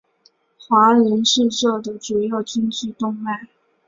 华人是这的主要经济动脉。